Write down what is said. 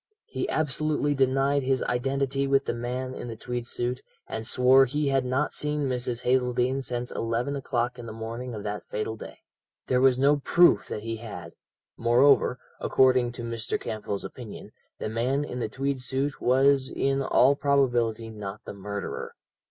He absolutely denied his identity with the man in the tweed suit, and swore he had not seen Mrs. Hazeldene since eleven o'clock in the morning of that fatal day. There was no proof that he had; moreover, according to Mr. Campbell's opinion, the man in the tweed suit was in all probability not the murderer.